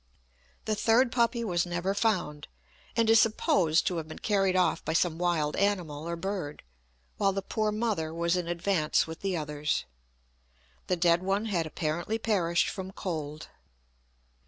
The third puppy was never found, and is supposed to have been carried off by some wild animal or bird, while the poor mother was in advance with the others. The dead one had apparently perished from cold.